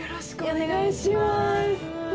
お願いします。